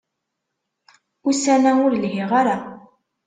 Ussan-a, ur lhiɣ ara.